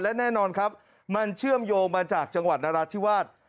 และแน่นอนครับมันเชื่อมโยงมาจากจังหวัดนราธิวาส